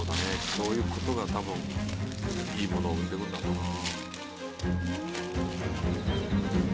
そういう事が多分いいものを生んでるんだなあ。